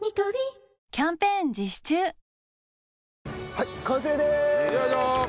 はい完成です！